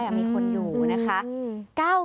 บอกว่าแอร์มีคนอยู่นะคะ